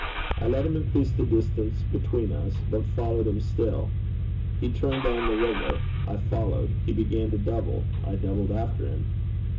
I let him increase the distance between us, but followed him still. He turned down the river. I followed. He began to double. I doubled after him.